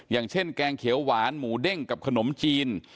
อย่างเช่นแกงเขียวหวานหมูเด้งกับขนมจีน